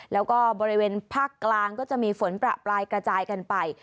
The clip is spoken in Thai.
แล้วก็บริเวณภาคกลางก็จะมีฝนประปรายกระจายกันไป